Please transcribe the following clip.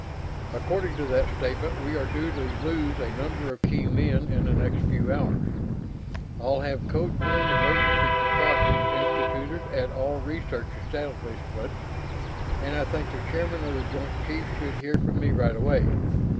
According to that statement, we are due to lose a number of key men in the next few hours. I'll have Code One emergency precautions instituted at all research establishments, and I think the chairman of the Joint Chiefs should hear from me right away.